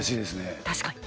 確かに。